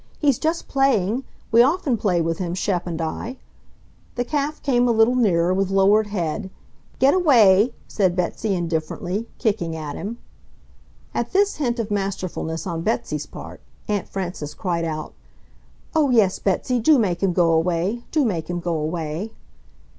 "He's just playing. We often play with him, Shep and I." The calf came a little nearer, with lowered head. "GET away!" said Betsy indifferently, kicking at him. At this hint of masterfulness on Betsy's part, Aunt Frances cried out, "Oh, yes, Betsy, DO make him go away! Do make him go away!"